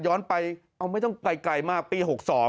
ย้อนไปเอาไม่ต้องไกลมากปี๖๒